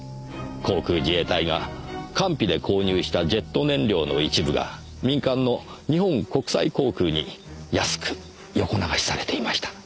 航空自衛隊が官費で購入したジェット燃料の一部が民間の日本国際航空に安く横流しされていました。